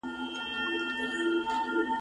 د فلسطين عشترقي